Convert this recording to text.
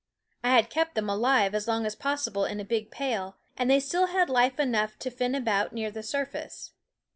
I had kept them alive as long as possible in a big pail, and they still had life enough to fin about near the surface.